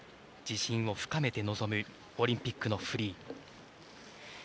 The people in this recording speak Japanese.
自信を深めて臨むオリンピックのフリー。